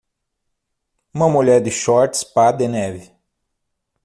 Uma mulher de shorts pá de neve.